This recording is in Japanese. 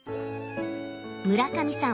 村上さん